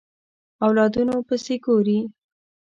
اولادونو پسې ګوري